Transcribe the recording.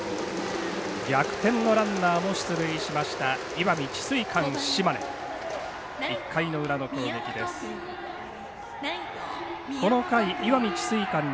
逆転のランナーも出塁した石見智翠館、島根。